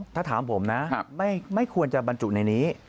ถ้าถามผมนะไม่ควรจะบรรจุในนี้